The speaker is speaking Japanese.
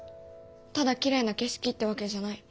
ただきれいな景色ってわけじゃない。